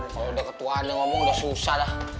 wuuu kalo udah ketuaan yang ngomong udah susah dah